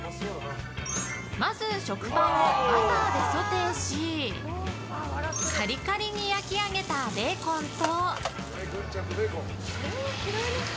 まず食パンをバターでソテーしカリカリに焼き上げたベーコンと。